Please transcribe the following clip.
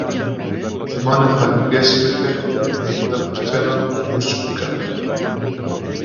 Zimanê xwe geş bikin yê dagirkeran pûç bikin